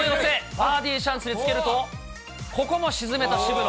バーディーチャンスにつけると、ここも沈めた渋野。